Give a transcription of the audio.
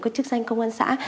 các chức danh công an xã